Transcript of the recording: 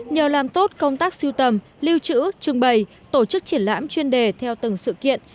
nhờ làm tốt công tác siêu tầm lưu trữ trưng bày tổ chức triển lãm chuyên đề theo từng sự kiện